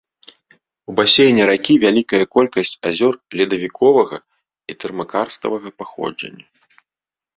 У басейне ракі вялікая колькасць азёр ледавіковага і тэрмакарставага паходжання.